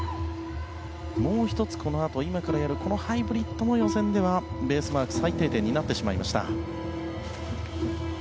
もう１つこのあとハイブリッド、予選ではベースマーク最低点になってしまいました。